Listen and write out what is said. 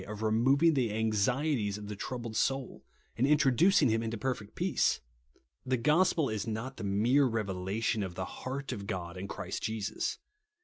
of removing the anxieties of the troiihled soul, and introducing him into perfect peace. The gospel is not the mere revelation of the heart of God in Christ Jesus.